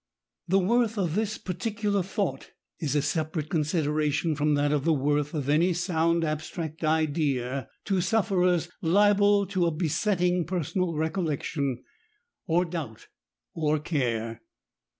The worth of this particular thought is a sepa rate consideration from that of the worth of any sound abstract idea to sufferers liable to a besetting personal recollection, or doubt, or care.